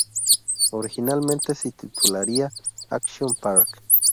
Originalmente se titularía "Action Park".